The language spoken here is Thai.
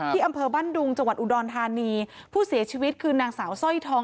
อำเภอบ้านดุงจังหวัดอุดรธานีผู้เสียชีวิตคือนางสาวสร้อยทอง